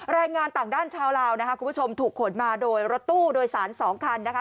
แรงงานต่างด้านชาวลาวนะคะคุณผู้ชมถูกขนมาโดยรถตู้โดยสารสองคันนะคะ